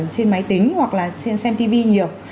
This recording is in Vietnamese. trên máy tính hoặc là trên xem tivi nhiều